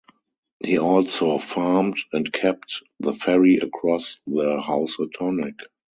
He also farmed, and kept the ferry across the Housatonic.